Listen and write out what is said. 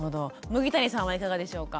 麦谷さんはいかがでしょうか？